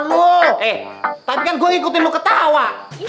lu eh tapi kan gua ikutin lu ketawa